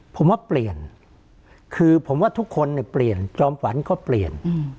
ผมว่าเปลี่ยนคือผมว่าทุกคนเนี่ยเปลี่ยนจอมฝันก็เปลี่ยน